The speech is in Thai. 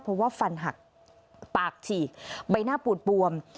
เพราะว่าฟันหักปากฉีกใบหน้าปูดบวม